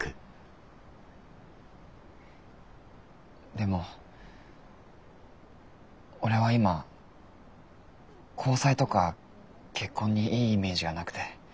でも俺は今交際とか結婚にいいイメージがなくて。